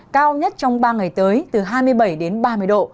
cao nhất trong ba ngày tới từ hai mươi bảy đến ba mươi độ